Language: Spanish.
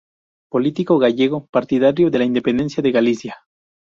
Político gallego, partidario de la independencia de Galicia.